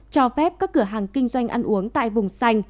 cho phép các cửa hàng kinh doanh ăn uống tại vùng xanh